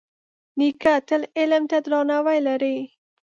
نیکه تل علم ته درناوی لري.